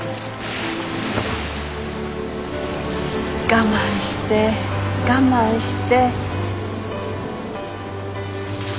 我慢して我慢して。